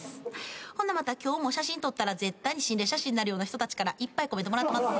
ほなまた今日も写真撮ったら絶対に心霊写真になるような人たちからいっぱいコメントもらってます。